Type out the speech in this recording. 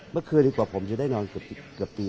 เมื่อคืนดีกว่าผมจะได้นอนเกือบปี